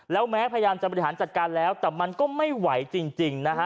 แล้วแม้พยายามจะบริหารจัดการแล้วแต่มันก็ไม่ไหวจริงนะฮะ